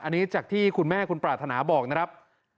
อันนี้จากที่คุณแม่คุณปรารถนาบอกนะครับ